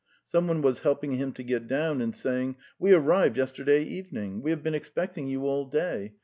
Someone was helping him to get down, and saying: "We arrived yesterday evening. ... We have been expecting you all day.